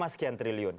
tujuh sekian triliun